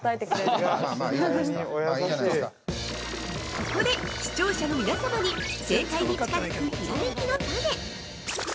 ここで視聴者の皆様に正解に近づく、ひらめきのタネ。